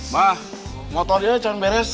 mah motornya jangan beres